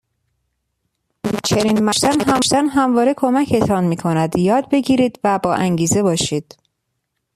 چنین منشی داشتن همواره کمکتان میکند یادگیرید و با انگیزه باشید.